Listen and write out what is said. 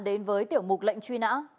đến với tiểu mục lệnh truy nã